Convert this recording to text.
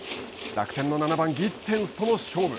楽天の７番ギッテンスとの勝負。